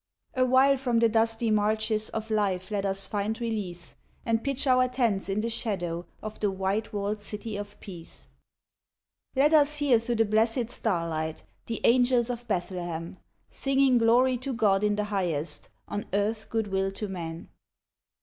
Awhile from the dusty marches Of life let us find release, And pitch our tents in the shadow Of the white walled City of Peace, Let us hear through the blessed starlight. The angels of Bethlehem, Singing Glory to God in the highest, On earth good will to men.